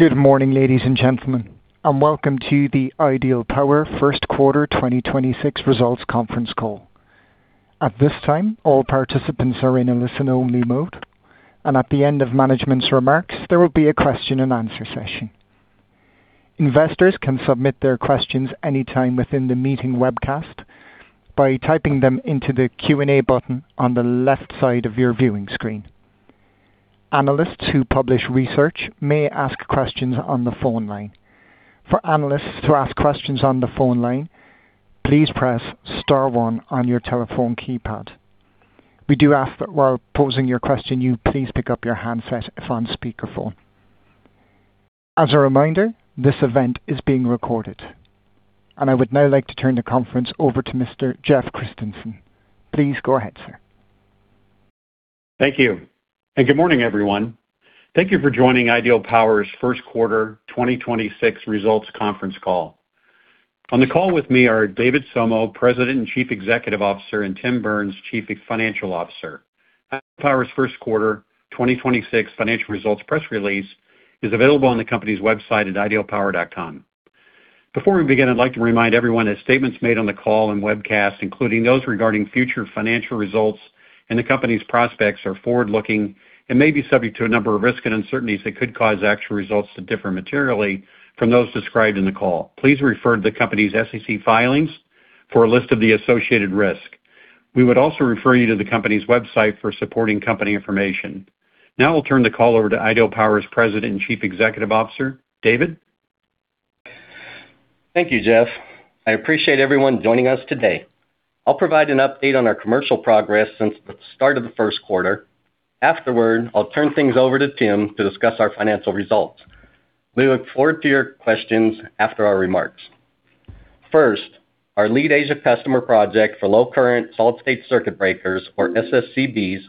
Good morning, ladies and gentlemen, welcome to the Ideal Power Q1 2026 Results Conference Call. At this time, all participants are in a listen-only mode, and at the end of management's remarks, there will be a question and answer session. Investors can submit their questions anytime within the meeting webcast by typing them into the Q&A button on the left side of your viewing screen. Analysts who publish research may ask questions on the phone line. For analysts to ask questions on the phone line, please press star one on your telephone keypad. We do ask that while posing your question, you please pick up your handset if on speakerphone. As a reminder, this event is being recorded. I would now like to turn the conference over to Mr. Jeff Christensen. Please go ahead, sir. Thank you. Good morning, everyone. Thank you for joining Ideal Power's Q1 2026 Results Conference Call. On the call with me are David Somo, President and Chief Executive Officer, and Tim Burns, Chief Financial Officer. Ideal Power's Q1 2026 financial results press release is available on the company's website at idealpower.com. Before we begin, I'd like to remind everyone that statements made on the call and webcast, including those regarding future financial results and the company's prospects, are forward-looking and may be subject to a number of risks and uncertainties that could cause actual results to differ materially from those described in the call. Please refer to the company's SEC filings for a list of the associated risk. We would also refer you to the company's website for supporting company information. Now I'll turn the call over to Ideal Power's President and Chief Executive Officer. David? Thank you, Jeff. I appreciate everyone joining us today. I'll provide an update on our commercial progress since the start of the Q1. Afterward, I'll turn things over to Tim to discuss our financial results. We look forward to your questions after our remarks. First, our lead Asia customer project for low current solid-state circuit breakers, or SSCBs,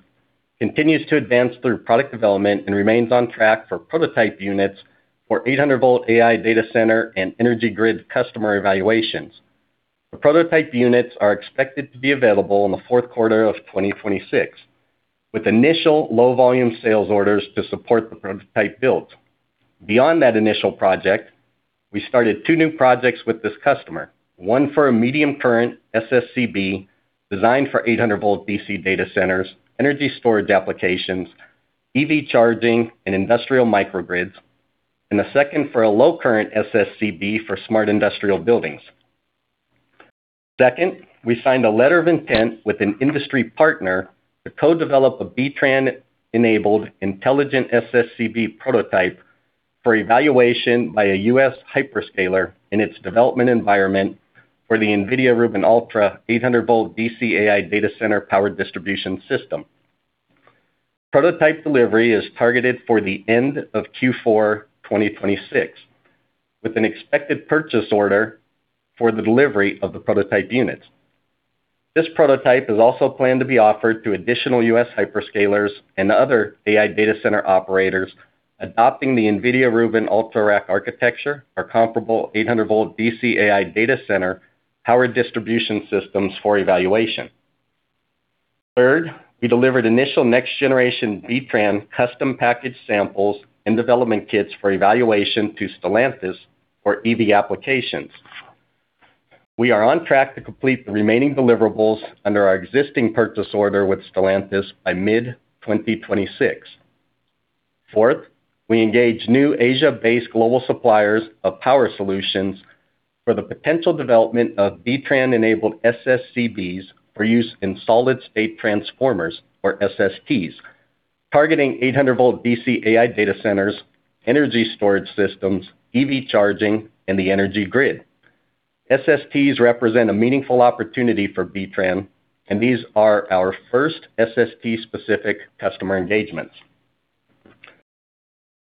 continues to advance through product development and remains on track for prototype units for 800 volt AI data center and energy grid customer evaluations. The prototype units are expected to be available in the fourth quarter of 2026, with initial low volume sales orders to support the prototype builds. Beyond that initial project, we started two new projects with this customer. One for a medium current SSCB designed for 800 volt DC data centers, energy storage applications, EV charging and industrial microgrids, and the second for a low current SSCB for smart industrial buildings. Second, we signed a letter of intent with an industry partner to co-develop a B-TRAN enabled intelligent SSCB prototype for evaluation by a US hyperscaler in its development environment for the NVIDIA Rubin Ultra 800 volt DC AI data center power distribution system. Prototype delivery is targeted for the end of Q4 2026, with an expected purchase order for the delivery of the prototype units. This prototype is also planned to be offered to additional US hyperscalers and other AI data center operators adopting the NVIDIA Rubin Ultra rack architecture or comparable 800 volt DC AI data center power distribution systems for evaluation. Third, we delivered initial next generation B-TRAN custom package samples and development kits for evaluation to Stellantis for EV applications. We are on track to complete the remaining deliverables under our existing purchase order with Stellantis by mid 2026. Fourth, we engaged new Asia-based global suppliers of power solutions for the potential development of B-TRAN enabled SSCBs for use in solid-state transformers, or SSTs, targeting 800 volt DC AI data centers, energy storage systems, EV charging, and the energy grid. SSTs represent a meaningful opportunity for B-TRAN, and these are our first SST specific customer engagements.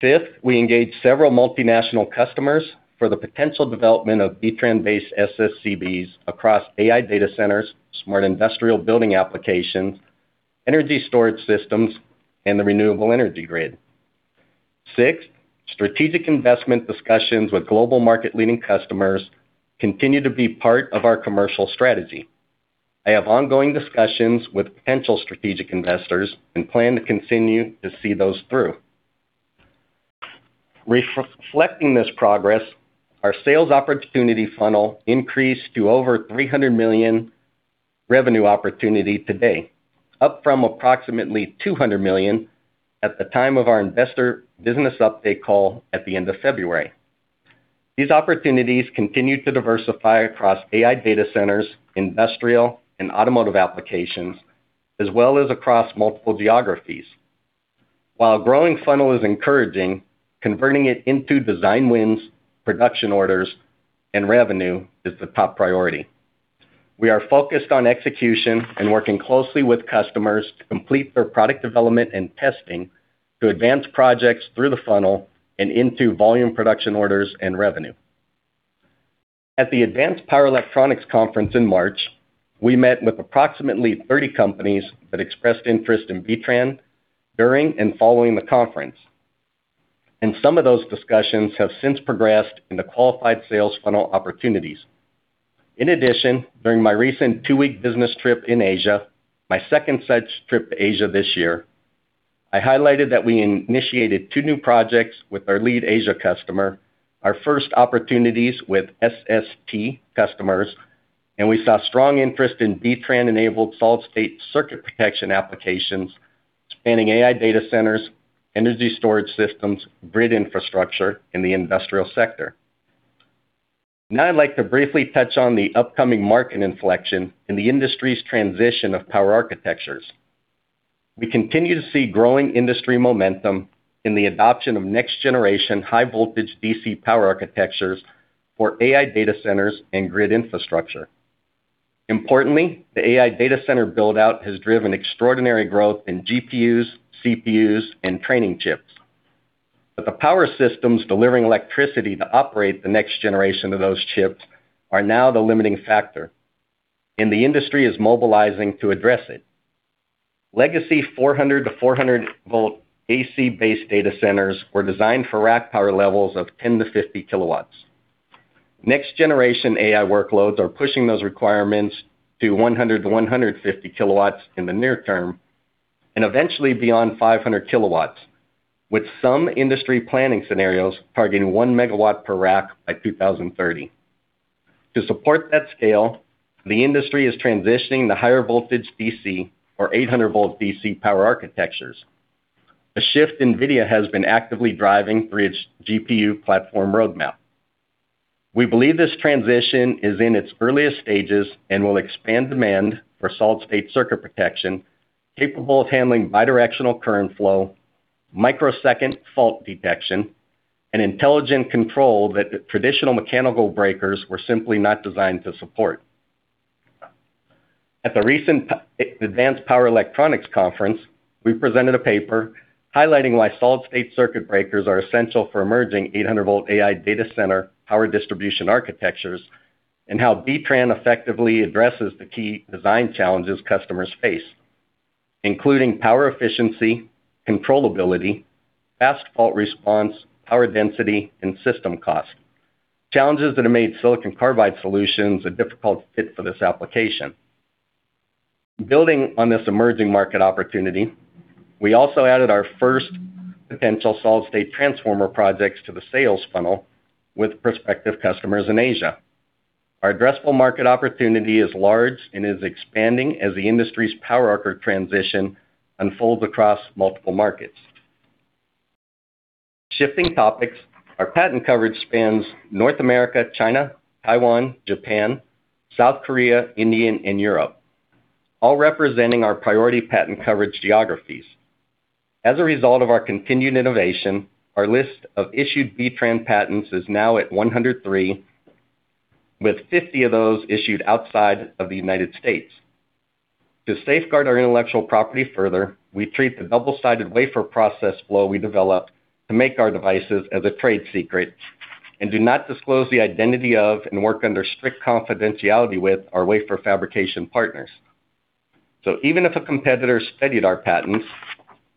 Fifth, we engaged several multinational customers for the potential development of B-TRAN based SSCBs across AI data centers, smart industrial building applications, energy storage systems, and the renewable energy grid. Six, strategic investment discussions with global market leading customers continue to be part of our commercial strategy. I have ongoing discussions with potential strategic investors and plan to continue to see those through. Reflecting this progress, our sales opportunity funnel increased to over $300 million revenue opportunity today, up from approximately $200 million at the time of our investor business update call at the end of February. These opportunities continue to diversify across AI data centers, industrial and automotive applications, as well as across multiple geographies. While a growing funnel is encouraging, converting it into design wins, production orders, and revenue is the top priority. We are focused on execution and working closely with customers to complete their product development and testing to advance projects through the funnel and into volume production orders and revenue. At the Applied Power Electronics Conference in March, we met with approximately 30 companies that expressed interest in B-TRAN during and following the conference, and some of those discussions have since progressed into qualified sales funnel opportunities. In addition, during my recent two-week business trip in Asia, my second such trip to Asia this year, I highlighted that we initiated two new projects with our lead Asia customer, our first opportunities with SST customers, and we saw strong interest in B-TRAN enabled solid-state circuit protection applications spanning AI data centers, energy storage systems, grid infrastructure, and the industrial sector. Now I'd like to briefly touch on the upcoming market inflection in the industry's transition of power architectures. We continue to see growing industry momentum in the adoption of next-generation high voltage DC power architectures for AI data centers and grid infrastructure. Importantly, the AI data center build-out has driven extraordinary growth in GPUs, CPUs, and training chips. The power systems delivering electricity to operate the next generation of those chips are now the limiting factor, and the industry is mobilizing to address it. Legacy 400 to 400 volt AC-based data centers were designed for rack power levels of 10 to 50 kilowatts. Next-generation AI workloads are pushing those requirements to 100 to 150 kilowatts in the near term, and eventually beyond 500 kilowatts, with some industry planning scenarios targeting 1 MW per rack by 2030. To support that scale, the industry is transitioning to higher voltage DC or 800 volt DC power architectures, a shift NVIDIA has been actively driving through its GPU platform roadmap. We believe this transition is in its earliest stages and will expand demand for solid-state circuit protection capable of handling bidirectional current flow, microsecond fault detection, and intelligent control that the traditional mechanical breakers were simply not designed to support. At the recent Applied Power Electronics Conference, we presented a paper highlighting why solid-state circuit breakers are essential for emerging 800 volt AI data center power distribution architectures. How B-TRAN effectively addresses the key design challenges customers face, including power efficiency, controllability, fast fault response, power density, and system cost. Challenges that have made silicon carbide solutions a difficult fit for this application. Building on this emerging market opportunity, we also added our first potential solid-state transformer projects to the sales funnel with prospective customers in Asia. Our addressable market opportunity is large and is expanding as the industry's power transition unfolds across multiple markets. Shifting topics, our patent coverage spans North America, China, Taiwan, Japan, South Korea, India, and Europe, all representing our priority patent coverage geographies. As a result of our continued innovation, our list of issued B-TRAN patents is now at 103, with 50 of those issued outside of the United States. To safeguard our intellectual property further, we treat the double-sided wafer process flow we developed to make our devices as a trade secret, and do not disclose the identity of, and work under strict confidentiality with, our wafer fabrication partners. Even if a competitor studied our patents,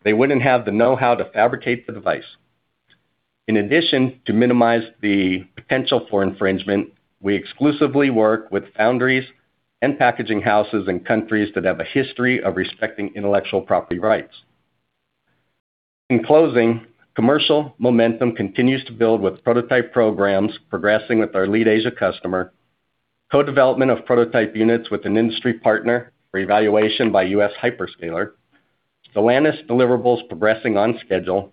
they wouldn't have the know-how to fabricate the device. In addition, to minimize the potential for infringement, we exclusively work with foundries and packaging houses in countries that have a history of respecting intellectual property rights. In closing, commercial momentum continues to build with prototype programs progressing with our lead Asia customer, co-development of prototype units with an industry partner for evaluation by U.S. hyperscaler, Stellantis deliverables progressing on schedule,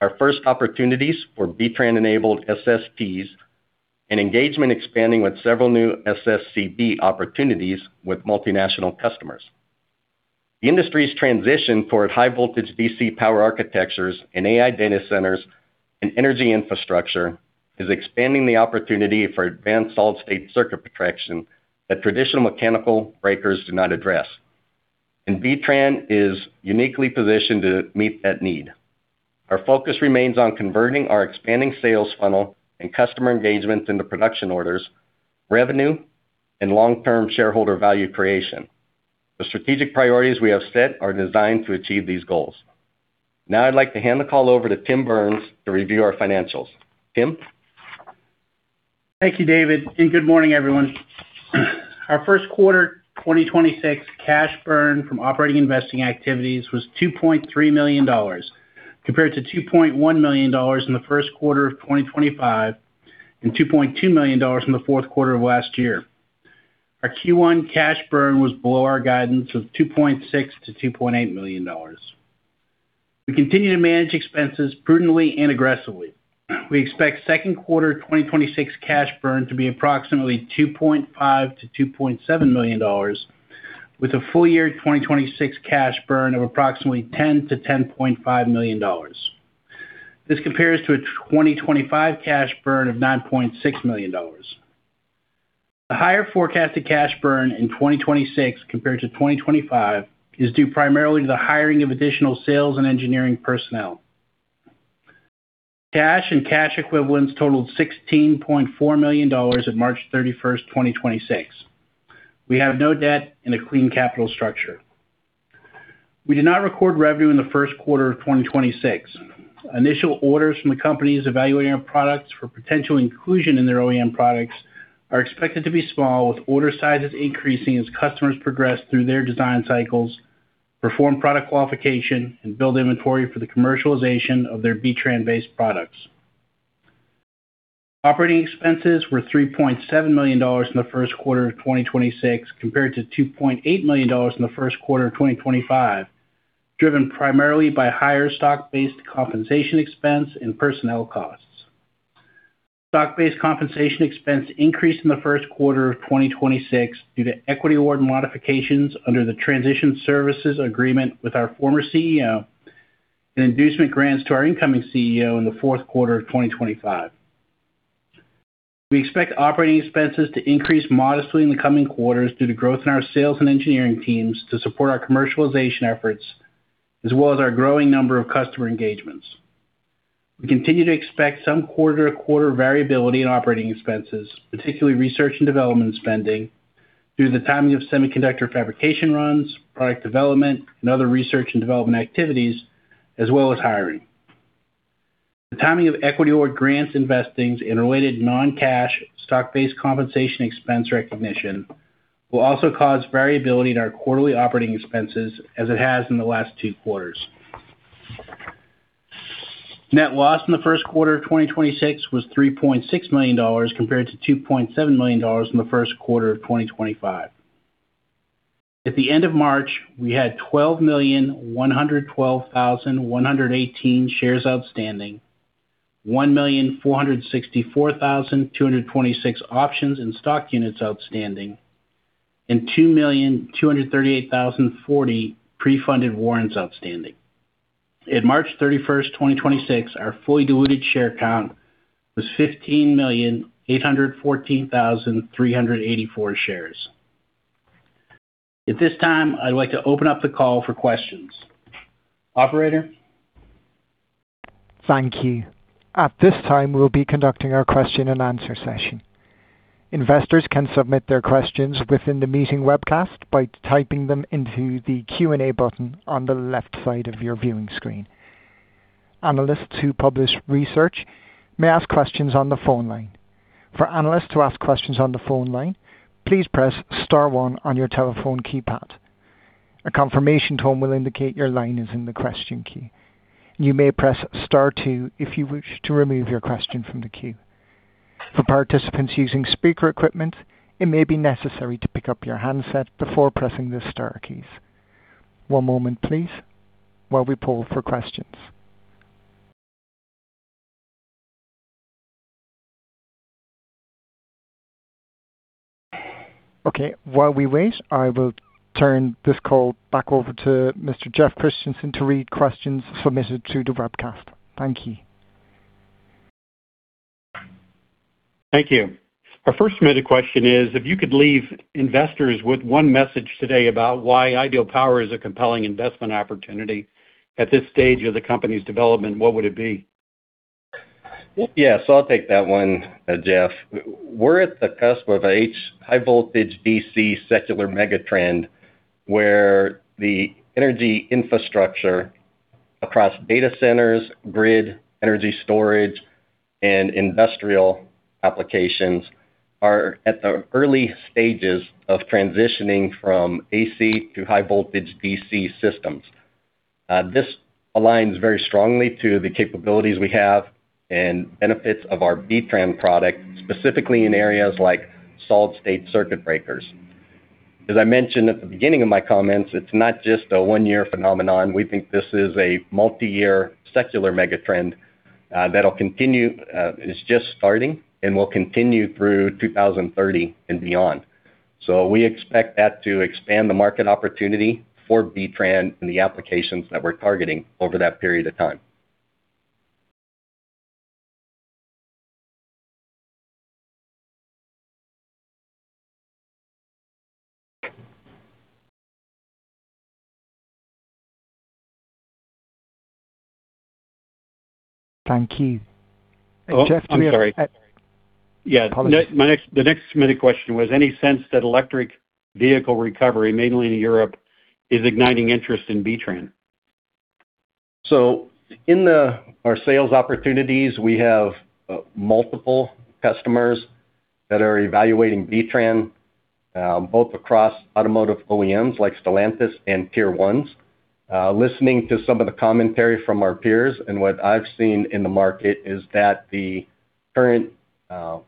our first opportunities for B-TRAN enabled SSTs. Engagement expanding with several new SSCB opportunities with multinational customers. The industry's transition toward high voltage DC power architectures in AI data centers and energy infrastructure is expanding the opportunity for advanced solid-state circuit protection that traditional mechanical breakers do not address. B-TRAN is uniquely positioned to meet that need. Our focus remains on converting our expanding sales funnel and customer engagements into production orders, revenue, and long-term shareholder value creation. The strategic priorities we have set are designed to achieve these goals. Now I'd like to hand the call over to Tim Burns to review our financials. Tim? Thank you, David, and good morning, everyone. Our Q1 2026 cash burn from operating investing activities was $2.3 million, compared to $2.1 million in the Q1 of 2025, and $2.2 million in the fourth quarter of last year. Our Q1 cash burn was below our guidance of $2.6 million-$2.8 million. We continue to manage expenses prudently and aggressively. We expect second quarter 2026 cash burn to be approximately $2.5 million-$2.7 million, with a full year 2026 cash burn of approximately $10 million-$10.5 million. This compares to a 2025 cash burn of $9.6 million. The higher forecasted cash burn in 2026 compared to 2025 is due primarily to the hiring of additional sales and engineering personnel. Cash and cash equivalents totaled $16.4 million of March 31st, 2026. We have no debt and a clean capital structure. We did not record revenue in the Q1 of 2026. Initial orders from the companies evaluating our products for potential inclusion in their OEM products are expected to be small, with order sizes increasing as customers progress through their design cycles, perform product qualification, and build inventory for the commercialization of their B-TRAN based products. Operating expenses were $3.7 million in the Q1 of 2026, compared to $2.8 million in the Q1 of 2025, driven primarily by higher stock-based compensation expense and personnel costs. Stock-based compensation expense increased in the Q1 of 2026 due to equity award modifications under the transition services agreement with our former CEO and inducement grants to our incoming CEO in the fourth quarter of 2025. We expect operating expenses to increase modestly in the coming quarters due to growth in our sales and engineering teams to support our commercialization efforts as well as our growing number of customer engagements. We continue to expect some quarter-to-quarter variability in operating expenses, particularly research and development spending, due to the timing of semiconductor fabrication runs, product development and other research and development activities, as well as hiring. The timing of equity award grants, vestings, and related non-cash stock-based compensation expense recognition will also cause variability in our quarterly operating expenses, as it has in the last two quarters. Net loss in the Q1 of 2026 was $3.6 million, compared to $2.7 million in the Q1 of 2025. At the end of March, we had 12,112,118 shares outstanding, 1,464,226 options and stock units outstanding, and 2,238,040 pre-funded warrants outstanding. At March 31st, 2026, our fully diluted share count was 15,814,384 shares. At this time, I'd like to open up the call for questions. Operator? Thank you. At this time, we'll be conducting our question and answer session. Investors can submit their questions within the meeting webcast by typing them into the Q&A button on the left side of your viewing screen. Analysts who publish research may ask questions on the phone line. For analysts to ask questions on the phone line, please press star one on your telephone keypad. A confirmation tone will indicate your line is in the question queue. You may press star two if you wish to remove your question from the queue. For participants using speaker equipment, it may be necessary to pick up your handset before pressing the star keys. One moment please while we poll for questions. Okay, while we wait, I will turn this call back over to Mr. Jeff Christensen to read questions submitted through the webcast. Thank you. Thank you. Our first submitted question is, if you could leave investors with 1 message today about why Ideal Power is a compelling investment opportunity at this stage of the company's development, what would it be? Yeah. I'll take that one, Jeff. We're at the cusp of a high voltage DC secular megatrend, where the energy infrastructure across data centers, grid, energy storage, and industrial applications are at the early stages of transitioning from AC to high voltage DC systems. This aligns very strongly to the capabilities we have and benefits of our B-TRAN product, specifically in areas like solid-state circuit breakers. As I mentioned at the beginning of my comments, it's not just a one-year phenomenon. We think this is a multi-year secular megatrend that'll continue, is just starting and will continue through 2030 and beyond. We expect that to expand the market opportunity for B-TRAN and the applications that we're targeting over that period of time. Thank you. Jeff, do we have- Oh, I'm sorry. Apologies. Yeah. The next submitted question was, any sense that electric vehicle recovery, mainly in Europe, is igniting interest in B-TRAN? In our sales opportunities, we have multiple customers that are evaluating B-TRAN, both across automotive OEMs like Stellantis and Tier 1s. Listening to some of the commentary from our peers and what I've seen in the market is that the current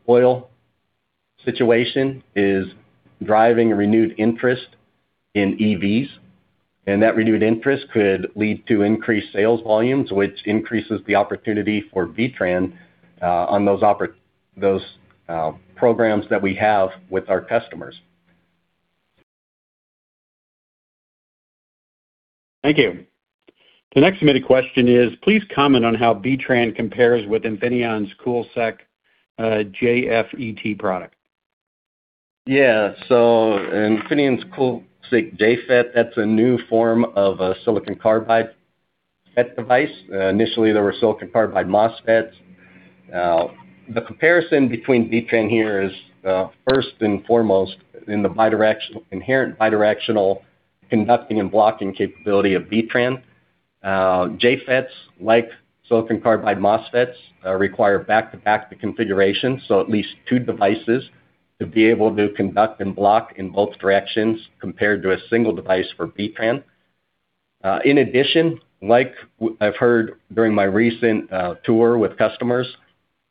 oil situation is driving renewed interest in EVs, and that renewed interest could lead to increased sales volumes, which increases the opportunity for B-TRAN on those programs that we have with our customers. Thank you. The next submitted question is, please comment on how B-TRAN compares with Infineon's CoolSiC JFET product. Yeah. Infineon's CoolSiC JFET, that's a new form of a silicon carbide FET device. Initially, they were silicon carbide MOSFETs. The comparison between B-TRAN here is first and foremost in the inherent bidirectional conducting and blocking capability of B-TRAN. JFETs, like silicon carbide MOSFETs, require back-to-back configuration, so at least two devices to be able to conduct and block in both directions compared to a single device for B-TRAN. In addition, like I've heard during my recent tour with customers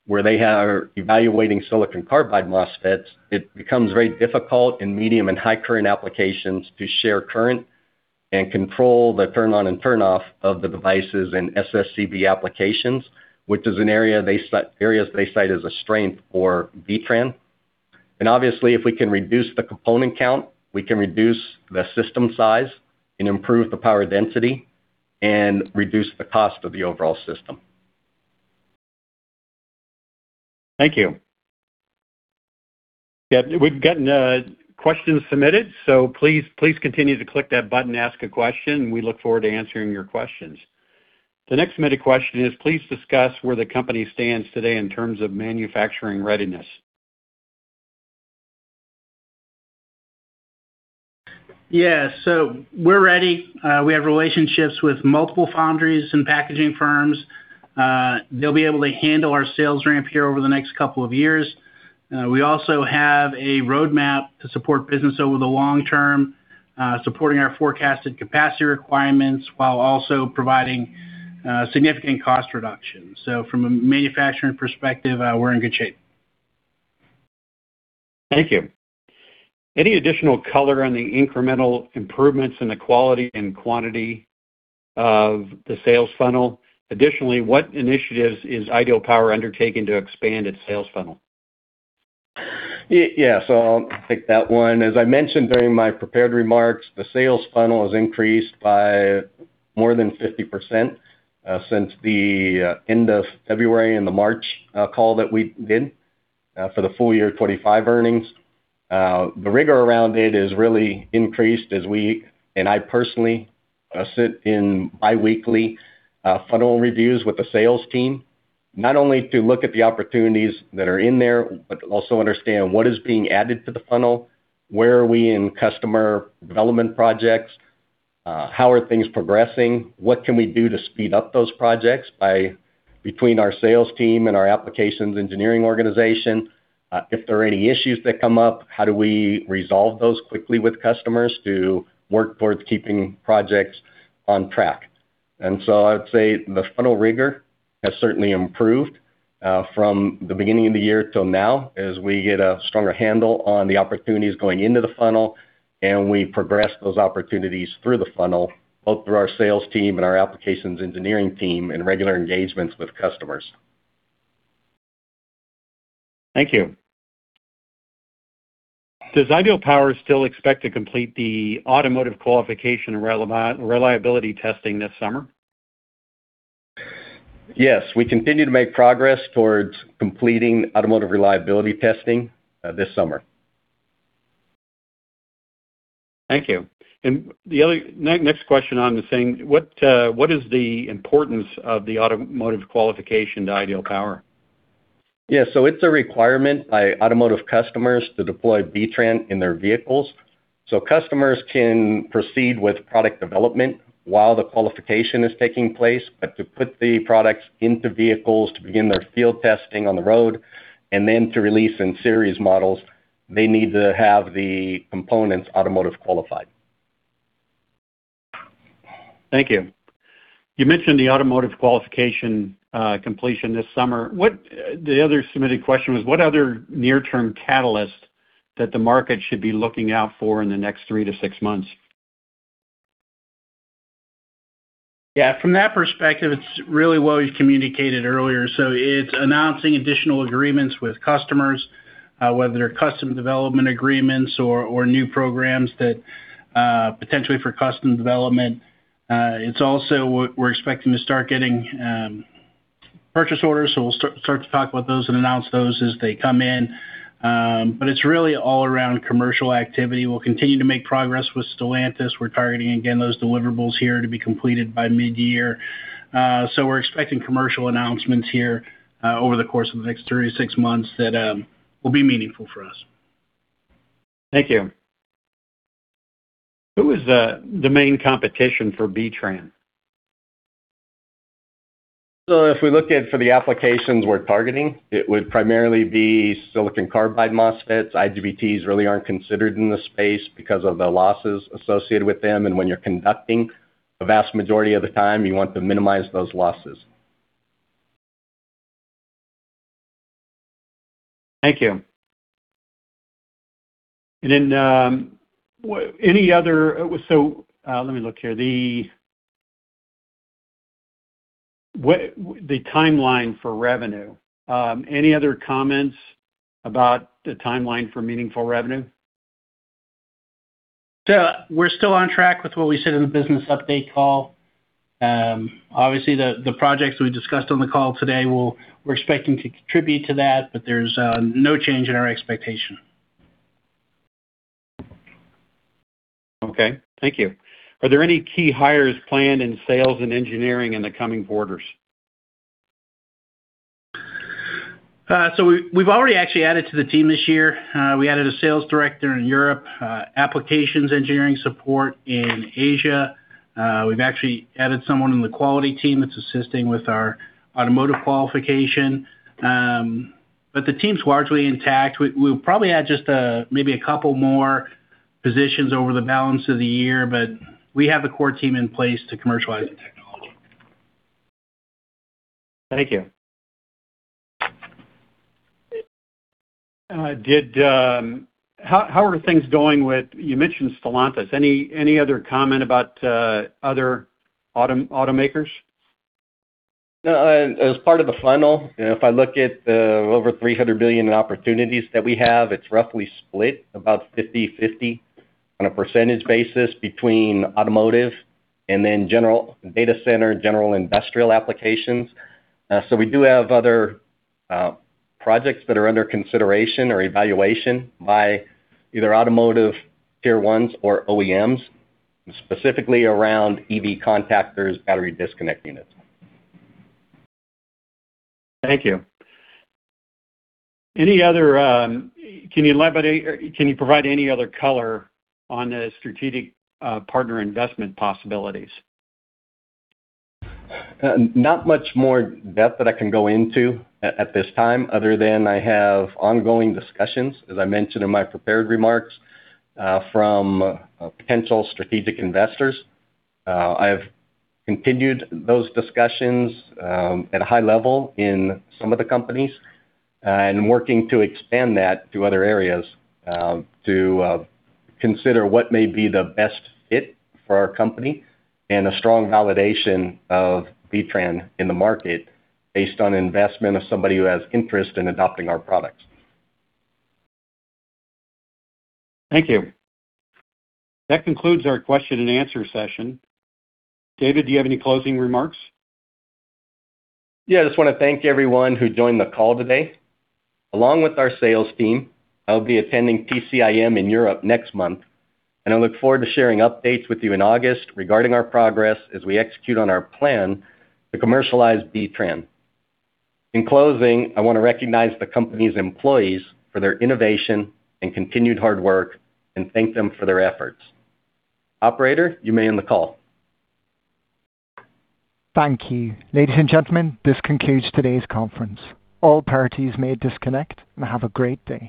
where they are evaluating silicon carbide MOSFETs, it becomes very difficult in medium and high current applications to share current and control the turn on and turn off of the devices in SSCB applications, which is an area they areas they cite as a strength for B-TRAN. Obviously, if we can reduce the component count, we can reduce the system size and improve the power density and reduce the cost of the overall system. Thank you. We've gotten questions submitted. Please continue to click that button to ask a question. We look forward to answering your questions. The next submitted question is, please discuss where the company stands today in terms of manufacturing readiness. Yeah. We're ready. We have relationships with multiple foundries and packaging firms. They'll be able to handle our sales ramp here over the next two years. We also have a roadmap to support business over the long term, supporting our forecasted capacity requirements while also providing significant cost reductions. From a manufacturing perspective, we're in good shape. Thank you. Any additional color on the incremental improvements in the quality and quantity of the sales funnel? What initiatives is Ideal Power undertaking to expand its sales funnel? Yeah. I'll take that one. As I mentioned during my prepared remarks, the sales funnel has increased by more than 50% since the end of February and the March call that we did for the full year 2025 earnings. The rigor around it has really increased as we, and I personally, sit in biweekly funnel reviews with the sales team, not only to look at the opportunities that are in there, but to also understand what is being added to the funnel, where are we in customer development projects, how are things progressing, what can we do to speed up those projects by between our sales team and our applications engineering organization. If there are any issues that come up, how do we resolve those quickly with customers to work towards keeping projects on track. I would say the funnel rigor has certainly improved from the beginning of the year till now as we get a stronger handle on the opportunities going into the funnel and we progress those opportunities through the funnel, both through our sales team and our applications engineering team and regular engagements with customers. Thank you. Does Ideal Power still expect to complete the automotive qualification and reliability testing this summer? Yes, we continue to make progress towards completing automotive reliability testing, this summer. Thank you. Next question on this thing, what is the importance of the automotive qualification to Ideal Power? Yeah. It's a requirement by automotive customers to deploy B-TRAN in their vehicles. Customers can proceed with product development while the qualification is taking place. To put the products into vehicles to begin their field testing on the road and then to release in series models, they need to have the components automotive qualified. Thank you. You mentioned the automotive qualification completion this summer. The other submitted question was, what other near-term catalyst that the market should be looking out for in the next three to six months? Yeah. From that perspective, it's really well you communicated earlier. It's announcing additional agreements with customers, whether they're custom development agreements or new programs that potentially for custom development. It's also what we're expecting to start getting purchase orders, so we'll start to talk about those and announce those as they come in. It's really all around commercial activity. We'll continue to make progress with Stellantis. We're targeting, again, those deliverables here to be completed by mid-year. We're expecting commercial announcements here over the course of the next 3-6 months that will be meaningful for us. Thank you. Who is the main competition for B-TRAN? If we look at for the applications we're targeting, it would primarily be silicon carbide MOSFETs. IGBTs really aren't considered in this space because of the losses associated with them, and when you're conducting the vast majority of the time, you want to minimize those losses. Thank you. Let me look here. The timeline for revenue. Any other comments about the timeline for meaningful revenue? We're still on track with what we said in the business update call. Obviously, the projects we discussed on the call today we're expecting to contribute to that, but there's no change in our expectation. Okay. Thank you. Are there any key hires planned in sales and engineering in the coming quarters? We've already actually added to the team this year. We added a sales director in Europe, applications engineering support in Asia. We've actually added someone in the quality team that's assisting with our automotive qualification. The team's largely intact. We'll probably add just two more positions over the balance of the year, we have the core team in place to commercialize the technology. Thank you. How are things going with You mentioned Stellantis. Any other comment about other automakers? No, as part of the funnel, if I look at the over $300 billion in opportunities that we have, it's roughly split about 50/50 on a percentage basis between automotive and then general data center, general industrial applications. We do have other projects that are under consideration or evaluation by either automotive tier 1s or OEMs, specifically around EV contactors battery disconnect units. Thank you. Can you elaborate or can you provide any other color on the strategic partner investment possibilities? Not much more depth that I can go into at this time other than I have ongoing discussions, as I mentioned in my prepared remarks, from potential strategic investors. I have continued those discussions at a high level in some of the companies, and working to expand that to other areas, to consider what may be the best fit for our company and a strong validation of B-TRAN in the market based on investment of somebody who has interest in adopting our products. Thank you. That concludes our question and answer session. David, do you have any closing remarks? I just wanna thank everyone who joined the call today. Along with our sales team, I'll be attending PCIM in Europe next month, and I look forward to sharing updates with you in August regarding our progress as we execute on our plan to commercialize B-TRAN. In closing, I wanna recognize the company's employees for their innovation and continued hard work and thank them for their efforts. Operator, you may end the call. Thank you. Ladies and gentlemen, this concludes today's conference. All parties may disconnect, and have a great day.